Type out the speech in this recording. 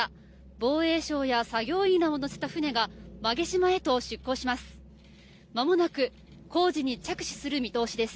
防衛省や作業員らを乗せた船が馬毛島へと出港します。